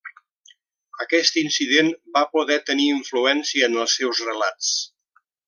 Aquest incident va poder tenir influència en els seus relats.